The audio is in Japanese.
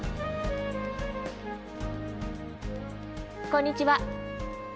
こんにちは。